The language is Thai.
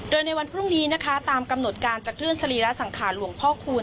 โดยในวันพรุ่งนี้นะคะตามกำหนดการจะเคลื่อนสรีระสังขารหลวงพ่อคูณ